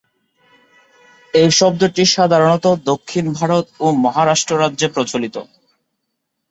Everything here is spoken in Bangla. এই শব্দটি সাধারণত দক্ষিণ ভারত ও মহারাষ্ট্র রাজ্যে প্রচলিত।